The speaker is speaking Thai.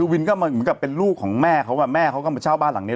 วินก็เหมือนกับเป็นลูกของแม่เขาแม่เขาก็มาเช่าบ้านหลังนี้